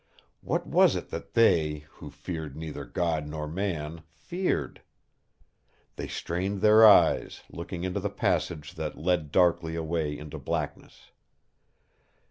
What was it that they, who feared neither God nor man, feared? They strained their eyes, looking into the passage that led darkly away into blackness.